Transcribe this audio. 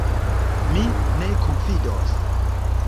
Mi ne konfidos.